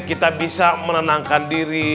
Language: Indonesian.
kita bisa menenangkan diri